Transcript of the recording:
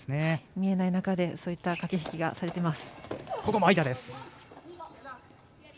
見えない中で、そういった駆け引きがされています。